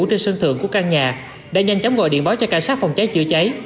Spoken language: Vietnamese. trên sân thượng của căn nhà đã nhanh chóng gọi điện báo cho cảnh sát phòng cháy chữa cháy